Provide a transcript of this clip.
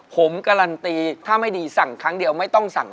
ผมการันตีถ้าไม่ดีสั่งครั้งเดียวไม่ต้องสั่ง